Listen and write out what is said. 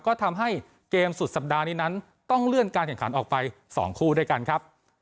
ก็ทำให้เกมสุดสัปดาห์นี้นั้นต้องเลื่อนการแข่งขันออกไป๒คู่ด้วยกันครับ